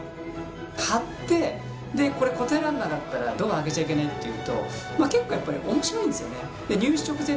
貼ってでこれ答えられなかったらドア開けちゃいけないっていうと結構やっぱり面白いんですよね。